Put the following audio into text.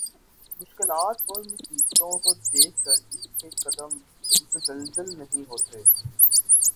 مشکلات اور مصیبتوں کو دیکھ کر اس کے قدم متزلزل نہیں ہوتے